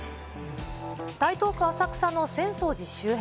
台東区浅草の浅草寺周辺。